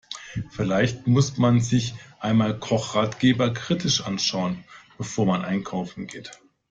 Vielleicht muss man sich einmal Kochratgeber kritisch anschauen, bevor man einkaufen geht.